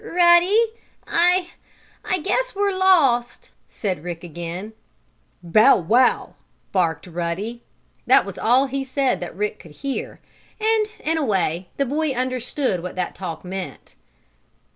"Ruddy, I I guess we're lost," said Rick again. "Bow wow!" barked Ruddy. That was all he said that Rick could hear, and, in a way, the boy understood what that talk meant.